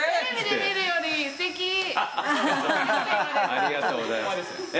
ありがとうございます。